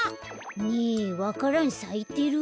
ねえわか蘭さいてる？